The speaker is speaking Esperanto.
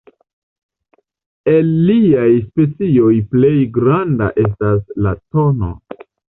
El liaj specioj plej malgranda estas la tn.